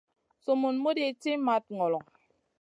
Sumun muɗi ci mat ŋolo.